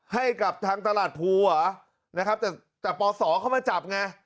ให้กับทางตลาดพลูอ่ะนะครับแต่แต่ปสเข้ามาจับไง